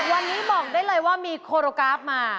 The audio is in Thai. วันนี้บอกได้เลยว่ามีโคโรกราฟมา